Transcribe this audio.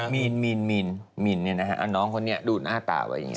มีนมีนเนี่ยนะฮะน้องคนนี้ดูหน้าตาไว้อย่างเงี้ย